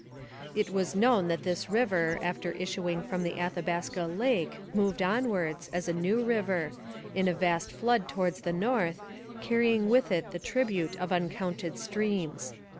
It was known that this river after issuing from the Athabaska Lake moved onwards, as a new river, in a vast flood towards the north, carrying with it the tribute of uncounted streams.